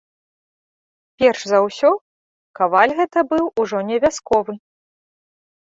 Перш за ўсё, каваль гэта быў ужо не вясковы.